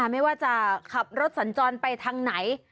ไม่ว่าจะขับรถสัญจรไปทางไหน